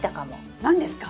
何ですか？